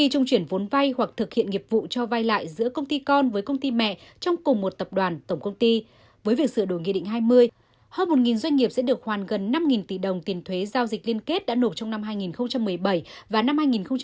hơn một doanh nghiệp sẽ được khoản gần năm tỷ đồng tiền thuế giao dịch liên kết đã nộp trong năm hai nghìn một mươi bảy và năm hai nghìn một mươi tám